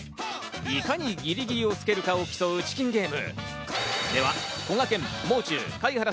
いかにギリギリをつけるかを競うゲーム。